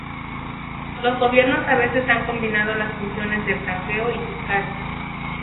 Los gobiernos a veces han combinado las funciones de franqueo y fiscal.